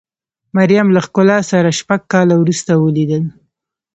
مریم له ښکلا سره شپږ کاله وروسته ولیدل.